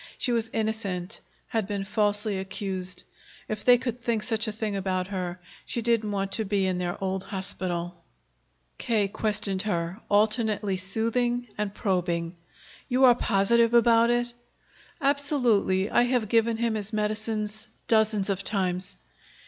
She was innocent, had been falsely accused. If they could think such a thing about her, she didn't want to be in their old hospital. K. questioned her, alternately soothing and probing. "You are positive about it?" "Absolutely. I have given him his medicines dozens of times."